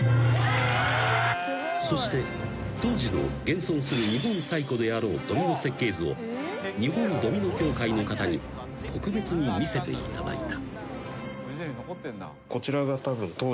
［そして当時の現存する日本最古であろうドミノ設計図を日本ドミノ協会の方に特別に見せていただいた］